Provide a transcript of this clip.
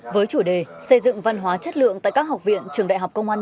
với chủ đề xây dựng văn hóa chất lượng tại các học viện trường đại học công an nhân dân